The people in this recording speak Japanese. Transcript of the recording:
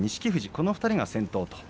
この２人が先頭です。